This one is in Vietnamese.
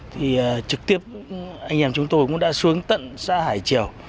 thì trực tiếp anh em chúng tôi cũng đã xuống tận xã hải triều